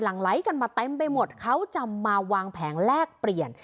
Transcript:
หลังไหลกันมาเต็มไปหมดเขาจะมาวางแผงแลกเปลี่ยน